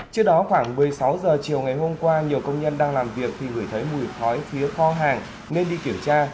trước đó khoảng một mươi sáu h chiều ngày hôm qua nhiều công nhân đang làm việc thì ngửi thấy mùi khói phía kho hàng nên đi kiểm tra